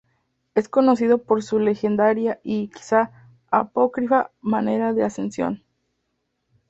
Es conocido por su legendaria y, quizá, apócrifa manera de ascensión.